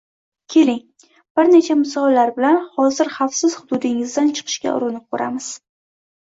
Keling bir necha misollar bilan hozir xavfsiz hududingizdan chiqishga urinib ko’ramiz